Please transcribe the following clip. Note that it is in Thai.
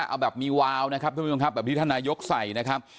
เอาแบบมีวาวนะครับท่านผู้ชมครับแบบที่ท่านนายกใส่นะครับ